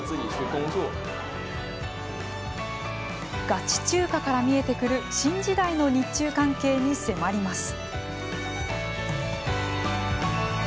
ガチ中華から見えてくる新時代の日中関係に迫ります。